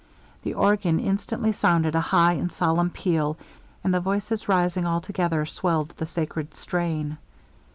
The organ instantly sounded a high and solemn peal, and the voices rising altogether swelled the sacred strain.